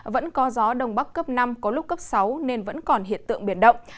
vẫn có gió đông bắc cấp năm có lúc cấp sáu nên vẫn còn hiện tượng biển động